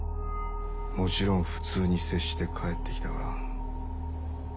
もちろん普通に接して帰って来たが。